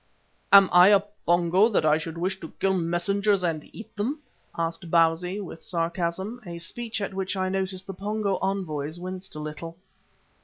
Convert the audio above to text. "Am I a Pongo that I should wish to kill messengers and eat them?" asked Bausi, with sarcasm, a speech at which I noticed the Pongo envoys winced a little.